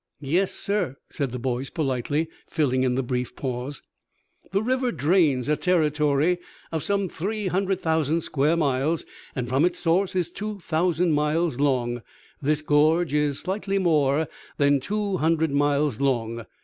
"Yes, sir," said the boys politely, filling in a brief pause. "That river drains a territory of some three hundred thousand square miles, and from its source is two thousand miles long. This gorge is slightly more than two hundred miles long.